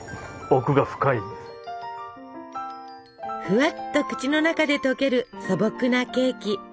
ふわっと口の中で溶ける素朴なケーキ。